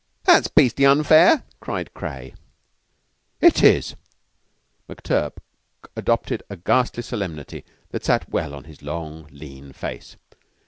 "That's beastly unfair!" cried Craye. "It is." McTurk had adopted a ghastly solemnity that sat well on his long, lean face.